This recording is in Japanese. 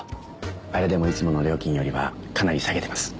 あれでもいつもの料金よりはかなり下げています。